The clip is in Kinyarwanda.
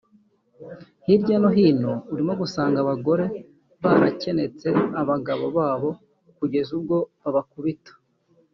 hirya no hino urimo gusanga abagore barakenetse abagabo babo kugeza ubwo babakubita